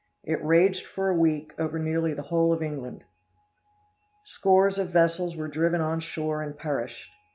It raged for a week over nearly the whole of England. Scores of vessels were driven on shore and perished.